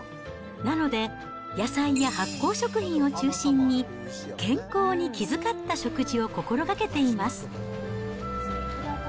なので、野菜や発酵食品を中心に、健康に気遣った食事を心がけています。